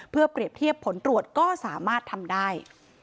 เพื่อเปรียบเทียบผลตรวจก็สามารถทำได้